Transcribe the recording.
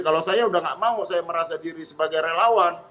kalau saya udah gak mau saya merasa diri sebagai relawan